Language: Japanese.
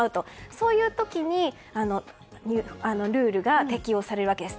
そういう時にルールが適用されるわけです。